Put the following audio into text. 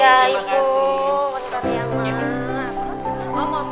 agara ini juga negara apa gue ga tahu apa enam